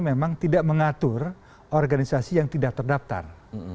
memang tidak mengatur organisasi yang tidak terdaftar